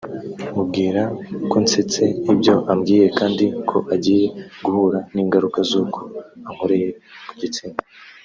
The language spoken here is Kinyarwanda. mubwira ko nsetse ibyo ambwiye kandi ko agiye guhura n’ingaruka z’uko ankoreye ku gitsina